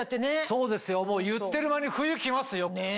そうですよもう言ってる間に冬来ますよ。ねぇ。